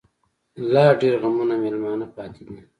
لا ډيـر غمـــــونه مېلـــمانه پــاتې دي